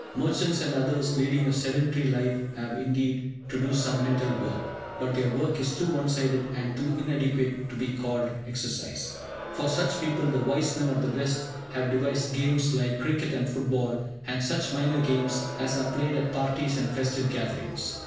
Merchants and others leading a sedentary life have indeed, to do some mental work, but their work is too one sided and too inadequate to be called exercise. For such people the wise men of the West have devised games like cricket and football, and such minor games as are played at parties and festive gatherings.